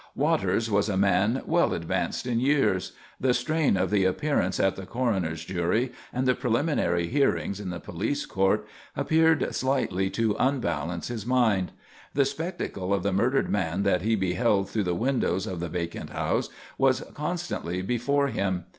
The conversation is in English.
Waters was a man well advanced in years. The strain of the appearance at the coroner's jury and the preliminary hearings in the police court appeared slightly to unbalance his mind. The spectacle of the murdered man that he beheld through the windows of the vacant house was constantly before him.